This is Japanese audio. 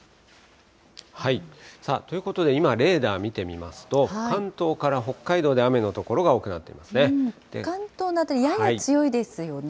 ということで、今、レーダー見てみますと、関東から北海道で関東など、やや強いですよね。